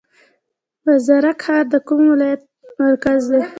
بازارک ښار د کوم ولایت مرکز دی؟